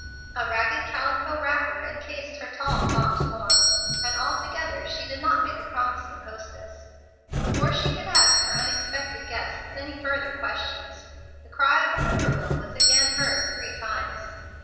A ragged calico wrapper incased her tall, gaunt form, and altogether she did not make a promising hostess. Before she could ask her unexpected guests any further questions, the cry of a whippoorwill was again heard three times.